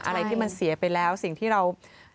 อะไรที่มันเสียไปแล้วสิ่งที่เรา